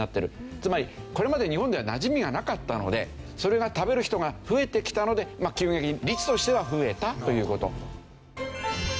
つまりこれまで日本ではなじみがなかったのでそれが食べる人が増えてきたので急激に率としては増えたという事。